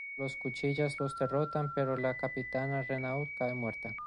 Los Cuchillas los derrotan, pero la capitana, Renault, cae muerta.